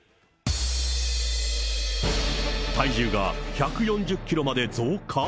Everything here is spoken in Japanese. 体重が１４０キロまで増加？